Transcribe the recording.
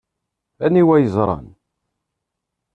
Aniwa yeẓran?